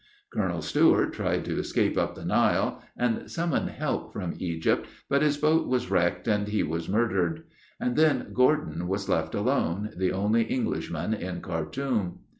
Colonel Stewart tried to escape up the Nile, and summon help from Egypt, but his boat was wrecked, and he was murdered. And then Gordon was left alone, the only Englishman in Khartoum.